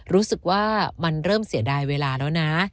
รู้สึกว่ามันเริ่มเสียดายเวลาแล้วนะ